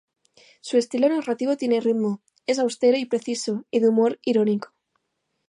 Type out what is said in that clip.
Su estilo narrativo tiene ritmo, es austero y preciso, y de humor irónico.